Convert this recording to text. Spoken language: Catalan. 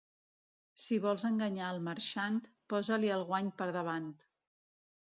Si vols enganyar el marxant, posa-li el guany per davant.